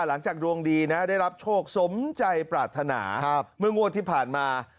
หลังจากดวงดีนะได้รับโชคสมใจปรารถนาเมื่องวดที่ผ่านมา